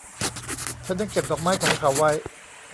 ฉันยังเก็บดอกไม้ของเขาไว้